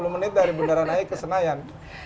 dijamin sepuluh menit dari beneran ai ke senayan